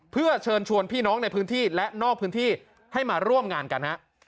เพื่อเชิญชวนพี่น้องในพื้นที่และนอกพื้นที่ให้มาร่วมงานกันฮะ